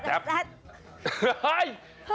เฮ้ย